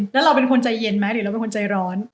แล้วเราเป็นคนใจเย็นไหมหรือเราเป็นคนใจร้อน